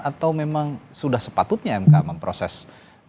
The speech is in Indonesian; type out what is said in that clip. atau memang sudah sepatutnya mk memproses pembentuk undang undang